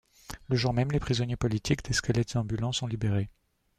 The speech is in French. Le jour même, les prisonniers politiques, des squelettes ambulants, sont libérés.